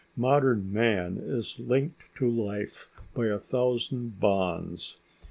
Modern man is linked to life by a thousand bonds.